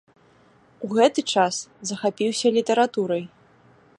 У гэты час захапіўся літаратурай.